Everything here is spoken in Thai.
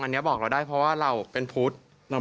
อันนี้บอกเราได้เพราะว่าเราเป็นพุทธ